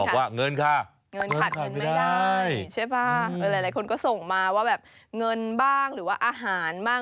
บอกว่าเงินค่ะเงินขาดเงินไม่ได้ใช่ป่ะหลายคนก็ส่งมาว่าแบบเงินบ้างหรือว่าอาหารบ้าง